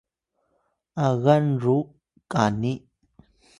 agan ru kani